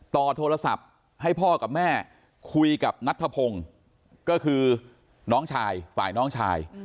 ต่อโทรศัพท์ให้พ่อกับแม่คุยกับนัทธพงศ์ก็คือน้องชายฝ่ายน้องชาย